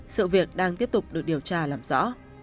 sự việc đang tiếp tục được điều tra làm rõ